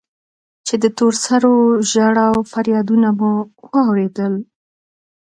چې د تور سرو ژړا و فريادونه مو واورېدل.